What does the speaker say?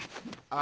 あ。